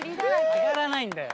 上がらないんだよ。